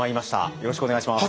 よろしくお願いします。